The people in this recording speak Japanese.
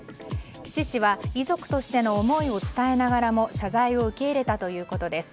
岸氏は遺族としての思いを伝えながらも謝罪を受け入れたということです。